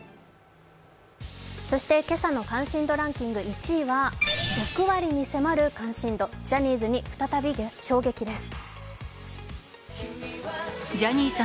そして今朝の関心度ランキング１位は、６割に迫る関心度ジャニーズに再び衝撃です。